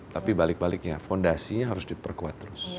tapi balik baliknya fondasinya harus diperkuat terus